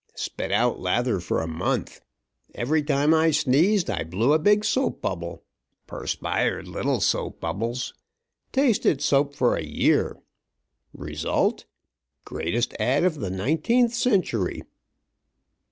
Spit out lather for a month! Every time I sneezed I blew a big soap bubble perspired little soap bubbles. Tasted soap for a year! Result? Greatest ad. of the nineteenth century.